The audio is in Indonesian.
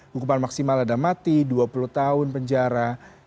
hukuman maksimal ada mati dua puluh tahun penjara